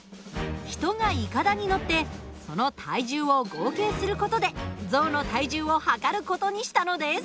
人がいかだに乗ってその体重を合計する事で象の体重を量る事にしたのです。